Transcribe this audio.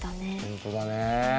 本当だね。